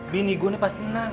bini gue ini pasti menang